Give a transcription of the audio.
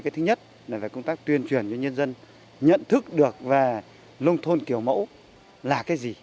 cái thứ nhất là công tác tuyên truyền cho nhân dân nhận thức được về nông thôn kiểu mẫu là cái gì